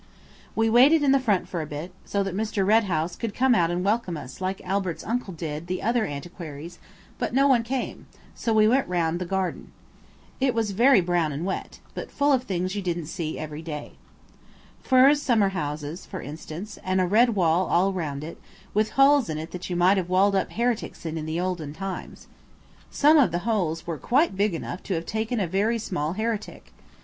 We waited in the front for a bit, so that Mr. Red House could come out and welcome us like Albert's uncle did the other antiquaries, but no one came, so we went round the garden. It was very brown and wet, but full of things you didn't see every day. Furze summer houses, for instance, and a red wall all round it, with holes in it that you might have walled heretics up in in the olden times. Some of the holes were quite big enough to have taken a very small heretic.